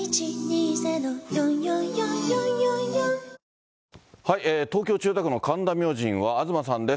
ニトリ東京・千代田区の神田明神は東さんです。